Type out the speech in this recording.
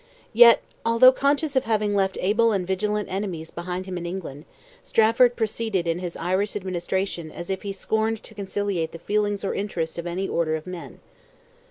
Yet, although conscious of having left able and vigilant enemies behind him in England, Strafford proceeded in his Irish administration as if he scorned to conciliate the feelings or interests of any order of men.